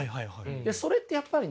それってやっぱりね